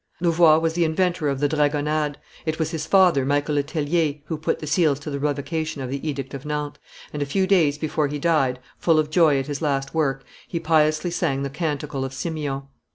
Louvois was the inventor, of the dragonnades; it was his father, Michael le Tellier, who put the seals to the revocation of the edict of Nantes; and, a few days before he died, full of joy at his last work, he piously sang the canticle of Simeon.